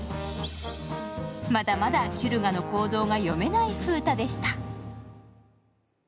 まだまだキュルガの行動が読めないフータでした。